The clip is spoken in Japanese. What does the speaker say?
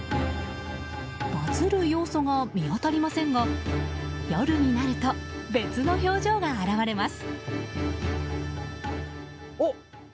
バズる要素が見当たりませんが夜になると別の表情が現われます。